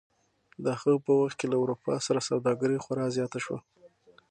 د هغه په وخت کې له اروپا سره سوداګري خورا زیاته شوه.